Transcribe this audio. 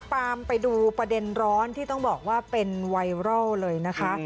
ตามไปดูประเด็นร้อนที่ต้องบอกว่าเป็นไวรัลเลยนะคะ